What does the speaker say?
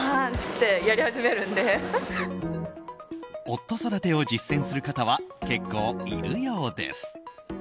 夫育てを実践する方は結構いるようです。